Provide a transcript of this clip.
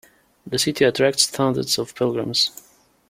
The city attracts thousands of pilgrims.